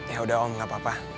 yaudah om gak apa apa